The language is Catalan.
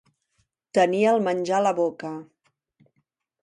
Tenir el menjar a la boca.